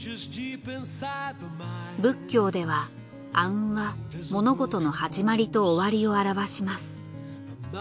仏教では阿吽は物事の始まりと終わりを表します。